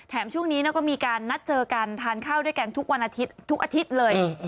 แถมช่วงนี้ก็มีการนัดเจอกันทานข้าวด้วยกันทุกอาทิตย์เลย